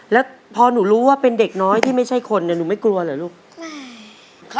แล้วพอหนูรู้ว่าเป็นเด็กน้อยที่ไม่ใช่คนเนี่ยหนูไม่กลัวเหรอลูก